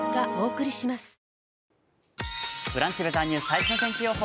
最新の天気予報